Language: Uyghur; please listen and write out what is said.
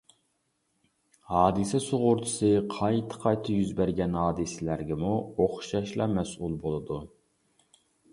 ھادىسە سۇغۇرتىسى قايتا-قايتا يۈز بەرگەن ھادىسىلەرگىمۇ ئوخشاشلا مەسئۇل بولىدۇ.